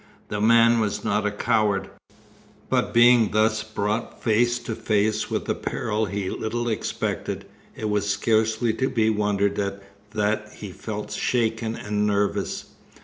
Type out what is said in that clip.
The man was not a coward, but being thus brought face to face with a peril he little expected, it was scarcely to be wondered at that he felt shaken and nervous.